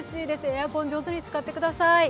エアコン、上手に使ってください。